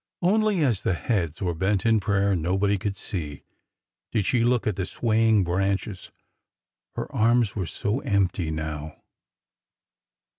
Only as the heads were bent in prayer, and nobody could see, did she look at the swaying branches. Her arms were so empty now